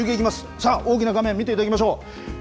さあ、大きな画面、見ていただきましょう。